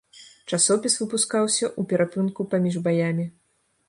Часопіс выпускаўся ў перапынку паміж баямі.